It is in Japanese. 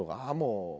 ああもう。